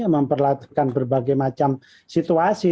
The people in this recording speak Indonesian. memperlatihkan berbagai macam situasi